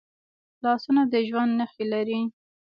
لاسونه د ژوند نښې لري